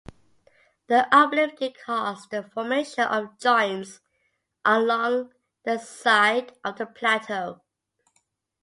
The uplifting caused the formation of joints along the side of the plateau.